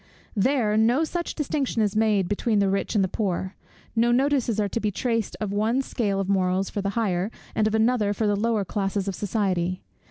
There, no such distinction is made between the rich and the poor. No notices are to be traced of one scale of morals for the higher, and of another for the lower classes of society.